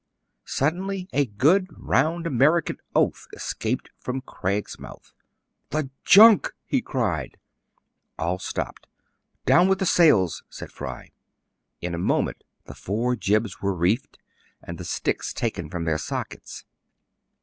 Suddenly a good round American oath escaped from Craig's mouth. '' The junk !" he cried. All stopped. " Down with the sails !" said Fry. In a moment the four jibs were reefed, and the sticks taken from their sockets.